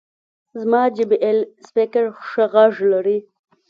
زما جې بي ایل سپیکر ښه غږ لري.